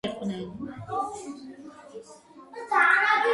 საშინელი ზარმაცები იყვნენ.